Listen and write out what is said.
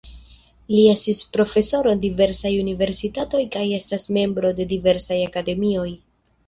Li estis profesoro de diversaj universitatoj kaj estas membro de diversaj akademioj.